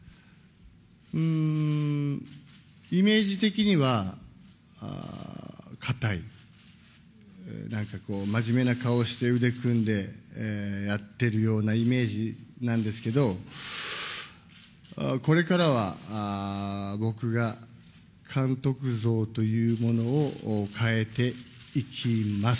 うーん、イメージ的には、堅い、なんかこう真面目な顔して腕組んでやってるようなイメージなんですけど、これからは僕が監督像というものを変えていきます。